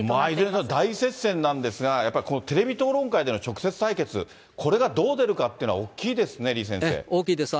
いずれにしても大接戦なんですが、やっぱりこのテレビ討論会での直接対決、これがどう出るかっていうのは大きいですね、李先大きいです。